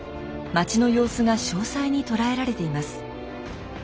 町の様子が詳細に捉えられています。